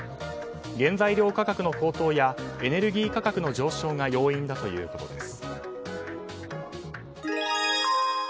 原材料価格の高騰やエネルギー価格の上昇が要因だということです。